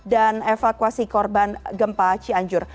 dan evakuasi korban gempa cianjur